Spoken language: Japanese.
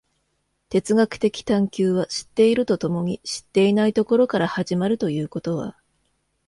哲学的探求は知っていると共に知っていないところから始まるということは、